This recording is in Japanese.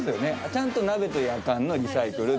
ちゃんとなべとやかんのリサイクル。